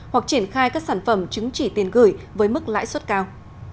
hoặc triển khai các sản phẩm chứng chỉ tiền gửi với mức lãi suất cao